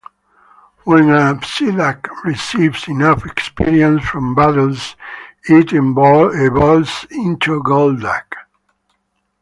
When a Psyduck receives enough experience from battles, it evolves into Golduck.